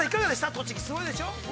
栃木、すごいでしょう？